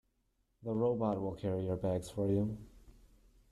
The robot will carry your bags for you.